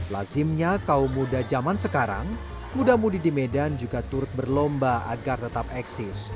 lazimnya kaum muda zaman sekarang muda mudi di medan juga turut berlomba agar tetap eksis